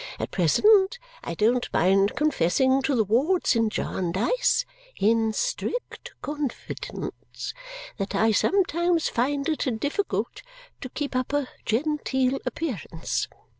At present, I don't mind confessing to the wards in Jarndyce (in strict confidence) that I sometimes find it difficult to keep up a genteel appearance.